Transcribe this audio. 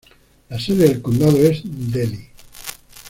La sede del condado es Delhi.